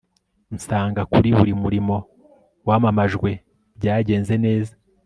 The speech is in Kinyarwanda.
nsanga kuri buri murimo wamamajwebyagenze neza